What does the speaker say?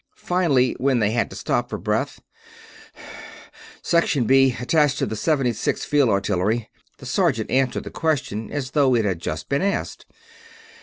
Finally, when they had to stop for breath: "Section B, attached to the 76th Field Artillery," the sergeant answered the question as though it had just been asked.